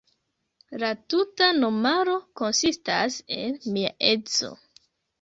La tuta nomaro konsistas el mia edzo.